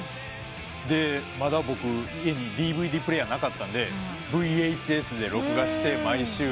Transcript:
でまだ僕家にＤＶＤプレーヤーなかったんでＶＨＳで録画して毎週見て。